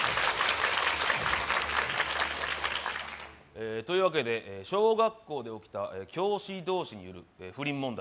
えーというわけで小学校で起きた教師同士による不倫問題